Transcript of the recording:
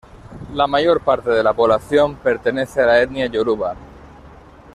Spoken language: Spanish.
La mayor parte de la población pertenece a la etnia Yoruba.